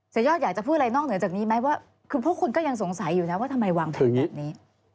ยอดอยากจะพูดอะไรนอกเหนือจากนี้ไหมว่าคือพวกคุณก็ยังสงสัยอยู่นะว่าทำไมวางแผนแบบนี้